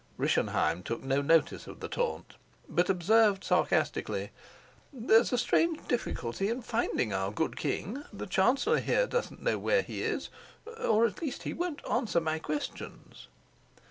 Rischenheim took no notice of the taunt, but observed sarcastically: "There's a strange difficulty in finding our good king. The chancellor here doesn't know where he is, or at least he won't answer my questions."